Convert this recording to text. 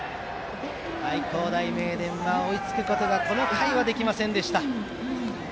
愛工大名電は追いつくことがこの回はできませんでした。